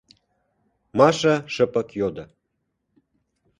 — Маша шыпак йодо.